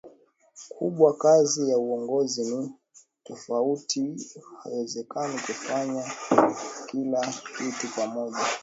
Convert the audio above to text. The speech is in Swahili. kubwa kazi ya uongozi ni tofauti Haiwezekani kufanya kila kitu pamoja